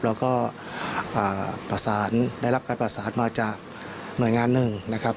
แล้วก็ประสานได้รับการประสานมาจากหน่วยงานหนึ่งนะครับ